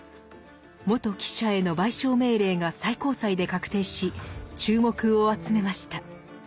元記者への賠償命令が最高裁で確定し注目を集めました。